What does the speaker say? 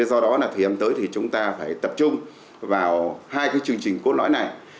do đó thời gian tới chúng ta phải tập trung vào hai chương trình cốt lõi này